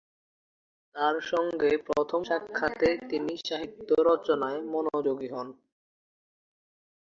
তার সঙ্গে প্রথম সাক্ষাতে তিনি সাহিত্য রচনায় মনোযোগী হন।